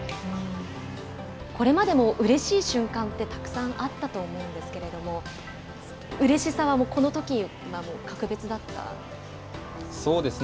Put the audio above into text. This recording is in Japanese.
ここまでもうれしい瞬間ってたくさんあったと思うんですけれどもこのときのうれしさは格別でしたか。